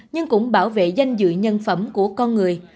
nhưng cũng bảo vệ danh dự nhân phẩm của công dân